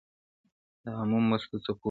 • د آمو مستو څپوکي -